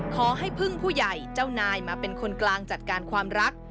ขอให้พึ่งผู้ใหญ่เจ้านายมาเป็นคนกลางจัดการความรัก